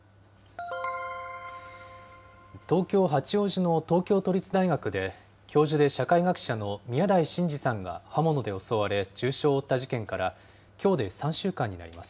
東京・八王子の東京都立大学で、教授で社会学者の宮台真司さんが刃物で襲われ重傷を負った事件から、きょうで３週間になります。